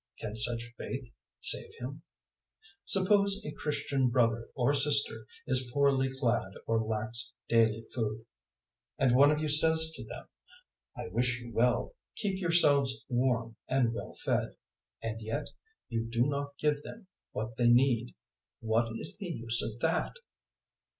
Can such faith save him? 002:015 Suppose a Christian brother or sister is poorly clad or lacks daily food, 002:016 and one of you says to them, "I wish you well; keep yourselves warm and well fed," and yet you do not give them what they need; what is the use of that?